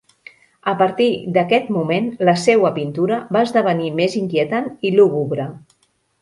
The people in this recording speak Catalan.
A partir d'aquest moment la seua pintura va esdevenir més inquietant i lúgubre.